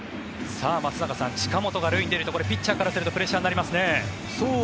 松坂さん近本が塁に出るとピッチャーからするとプレッシャーになりますね。